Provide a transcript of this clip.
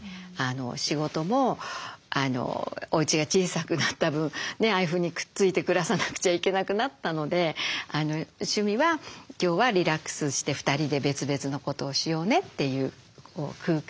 仕事もおうちが小さくなった分ああいうふうにくっついて暮らさなくちゃいけなくなったので趣味は今日はリラックスして２人で別々のことをしようねっていう空間を作ってます。